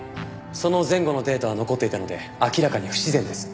その前後のデータは残っていたので明らかに不自然です。